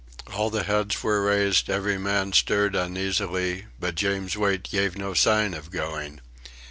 All the heads were raised; every man stirred uneasily, but James Wait gave no sign of going.